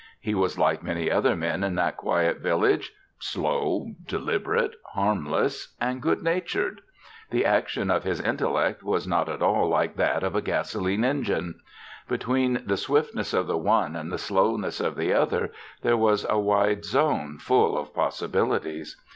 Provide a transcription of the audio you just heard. He was like many other men in that quiet village slow, deliberate, harmless and good natured. The action of his intellect was not at all like that of a gasoline engine. Between the swiftness of the one and the slowness of the other, there was a wide zone full of possibilities.